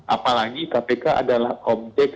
apalagi kpk adalah kompleks